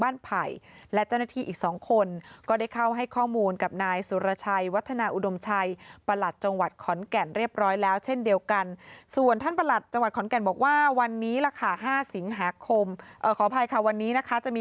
บางทีคนอยากจะได้อะไรแล้วต้องได้มันคืออะไร